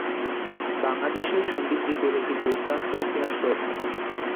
বাংলাদেশের সন্দ্বীপ দ্বীপের একটি দুর্দান্ত ইতিহাস রয়েছে।